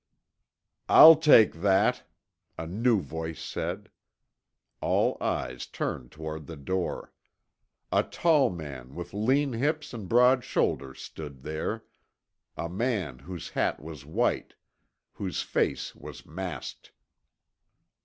"I'll take that," a new voice said. All eyes turned toward the door. A tall man with lean hips and broad shoulders stood there; a man whose hat was white, whose face was masked.